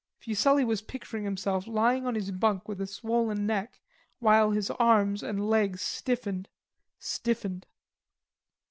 Fuselli was picturing himself lying in his bunk with a swollen neck, while his arms and legs stiffened, stiffened.